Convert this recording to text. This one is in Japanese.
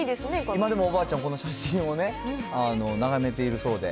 今でもおばあちゃん、この写真を眺めているそうで。